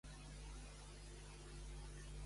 Va participar Neoptòlem al final?